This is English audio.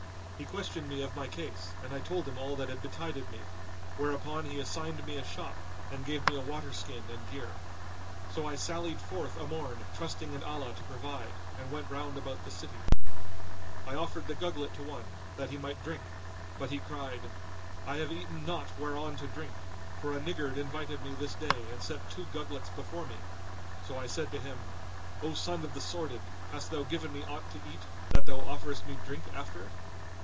He questioned me of my case and I told him all that had betided me, whereupon he assigned me a shop and gave me a water skin and gear. So I sallied forth a morn trusting in Allah to provide, and went round about the city." I offered the gugglet to one, that he might drink; but he cried, "I have eaten naught whereon to drink; for a niggard invited me this day and set two gugglets before me; so I said to him:—O son of the sordid, hast thou given me aught to eat that thou offerest me drink after it?